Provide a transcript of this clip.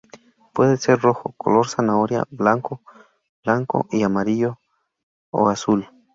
Puede ser rojo, color zanahoria, blanco, blanco y amarillo, o azul.